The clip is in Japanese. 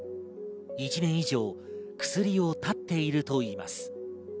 １年以上薬を断っているといいます。